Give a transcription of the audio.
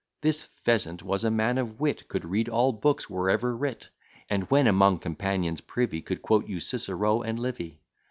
This Pheasant was a man of wit, Could read all books were ever writ; And, when among companions privy, Could quote you Cicero and Livy.